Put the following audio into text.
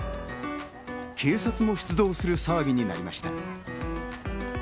警察も出動する騒ぎになりました。